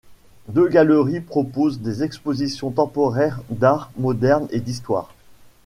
Deux galeries proposent des expositions temporaires d'art moderne et d'histoire.